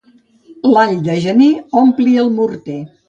L'all de gener ompli el morter.